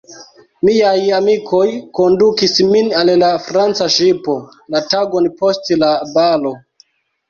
Miaj amikoj kondukis min al la Franca ŝipo, la tagon post la balo.